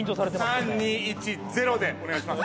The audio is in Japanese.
３２１ゼロでお願いします